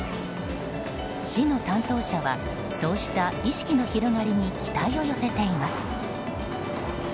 市の担当者はそうした意識の広がりに期待を寄せています。